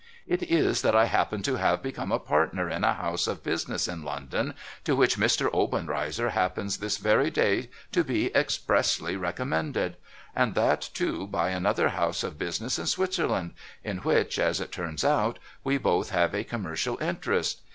' It is that I happen to have become a partner in a House of business in London, to which Mr. Obenreizer happens this very day to be expressly recommended : and that, too, by another house of business in Switzerland, in which (as it turns out) we both have a commercial interest.